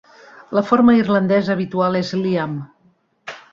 La forma irlandesa habitual és "Liam".